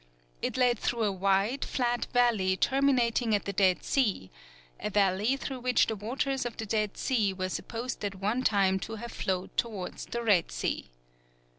It led through a wide, flat valley terminating at the Dead Sea; a valley through which the waters of the Dead Sea were supposed at one time to have flowed towards the Red Sea.